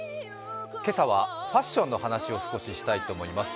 今朝はファッションの話を少ししたいと思います。